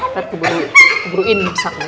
tapi ini sudah beit